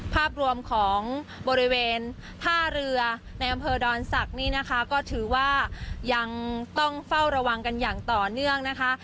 ภาพรวมของบริเวณท่าเรือในอำเภอดอนศักดิ์นี่นะคะก็ถือว่ายังต้องเฝ้าระวังกันอย่างต่อเนื่องนะคะ